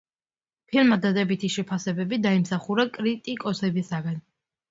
ფილმმა დადებითი შეფასებები დაიმსახურა კრიტიკოსებისგან.